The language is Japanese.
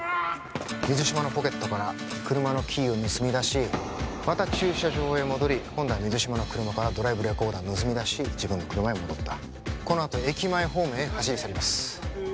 水島のポケットから車のキーを盗み出しまた駐車場へ戻り今度は水島の車からドライブレコーダー盗み出し自分の車へ戻ったこのあと駅前方面へ走り去ります